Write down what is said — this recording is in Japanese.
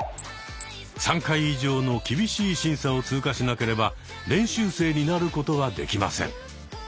３回以上の厳しい審査を通過しなければ練習生になることはできません。